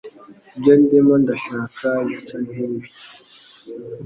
Ibyo ndimo ndashaka bisa nkibi.